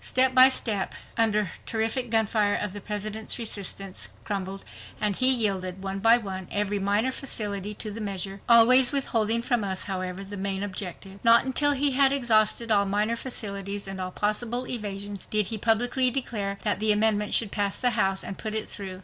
Step by step under terrific gunfire the President's resistance crumbled, and he yielded, one by one, every minor facility to the measure, always withholding from us, however, the main objective. Not until he had exhausted all minor facilities, and all possible evasions, did he publicly declare that the amendment should pass the House, and put it through.